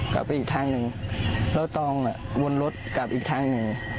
กลับไปอีกทางหนึ่งแล้วตองวนรถกลับอีกทางหนึ่ง